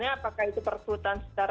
apakah itu persulutan setara